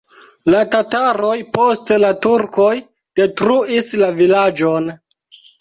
La tataroj, poste la turkoj detruis la vilaĝon.